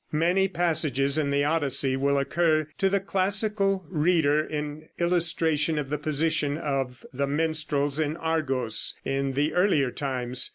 Many passages in the Odyssey will occur to the classical reader in illustration of the position of the minstrel in Argos in the earlier times.